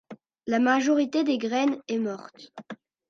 Mais la majorité des graines est morte.